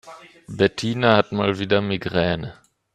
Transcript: Bettina hat mal wieder Migräne.